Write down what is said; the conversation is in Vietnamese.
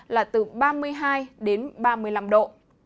là từ ba mươi hai ba mươi năm độ